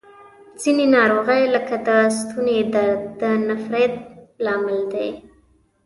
ځینې ناروغۍ لکه د ستوني درد د نفریت لامل دي.